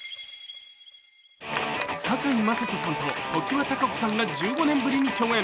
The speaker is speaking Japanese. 堺雅人さんと常盤貴子さんが１５年ぶりに共演。